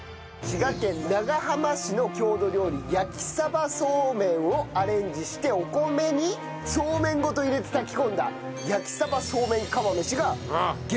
滋賀県長浜市の郷土料理焼鯖そうめんをアレンジしてお米にそうめんごと入れて炊き込んだ焼鯖そうめん釜飯が現在チャンピオンと。